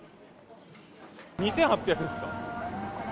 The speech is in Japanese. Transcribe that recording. ２８００ですか。